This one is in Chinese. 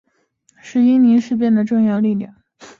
是伊宁事变的重要力量。